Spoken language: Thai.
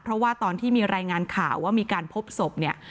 เพราะว่าตอนที่มีรายงานข่าวว่ามีการพบศพเนี่ย